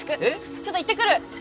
ちょっと行ってくる！